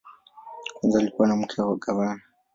Kwanza alikuwa mke wa gavana.